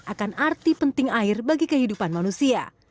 akan arti penting air bagi kehidupan manusia